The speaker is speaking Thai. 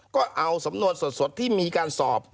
ก็เอาสำนวนสดที่มีการสอบ